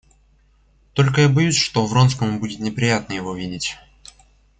Только я боюсь, что Вронскому будет неприятно его видеть.